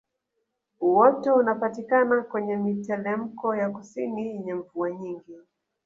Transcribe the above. Uoto unapatikana kwenye mitelemko ya kusini yenye mvua nyingi